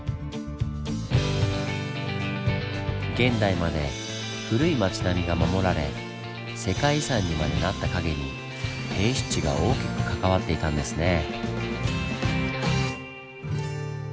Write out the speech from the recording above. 現代まで古い町並みが守られ世界遺産にまでなった陰に低湿地が大きく関わっていたんですねぇ。